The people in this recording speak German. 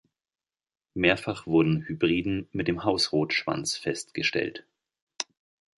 Mehrfach wurden Hybriden mit dem Hausrotschwanz festgestellt.